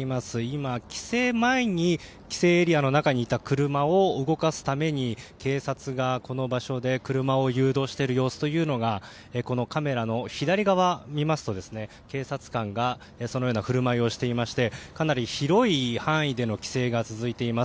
今、規制前に規制エリアの中にいた車を動かすために警察が、この場所で車を誘導している様子がこのカメラの左側を見ますと警察官がそのような振る舞いをしていましてかなり広い範囲での規制が続いています。